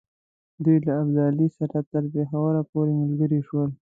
دوی له ابدالي سره تر پېښور پوري ملګري شول.